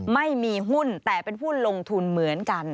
ไม่มีหุ้นแต่เป็นผู้ลงทุนเหมือนกัน